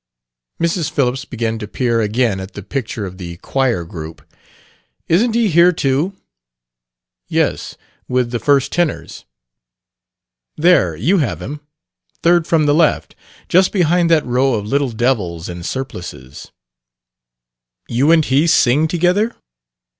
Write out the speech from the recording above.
Mrs. Phillips began to peer again at the picture of the choir group. "Isn't he here too?" "Yes. With the first tenors. There you have him, third from the left, just behind that row of little devils in surplices." "You and he sing together?"